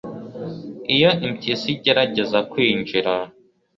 iyo impyisi igerageza kwinjira